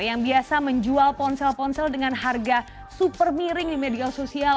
yang biasa menjual ponsel ponsel dengan harga super miring di media sosial